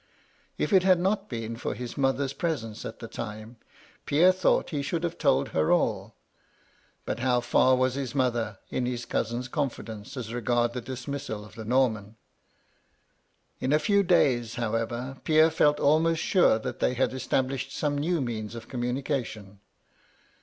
K it had not been for his mother's presence at the time, Pierre thought he should have told her all. But how far was his mother in his cousin's confidence as regarded the dismissal of the Norman ?" In a few days, however, Pierre felt almost sure that they had established some new means of communica tion.